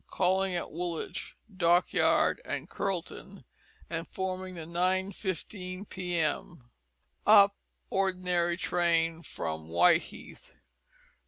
calling at Woolhitch Dockyard and Curlton, and forming the 9:15 p.m. Up Ordinary Train from Whiteheath.